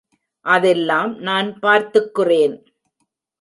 அதெல்லாம் நான் பார்த்துக்குறேன்.